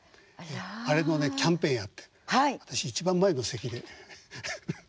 あれのねキャンペーンやって私一番前の席で見てました。